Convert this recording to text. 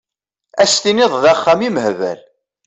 Ad s-tiniḍ d axxam imehbal!